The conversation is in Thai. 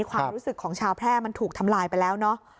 ความรู้สึกของชาวแพร่มันถูกทำลายไปแล้วเนอะ